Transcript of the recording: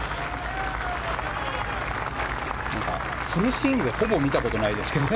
フルスイングはほぼ見たことがないですけどね。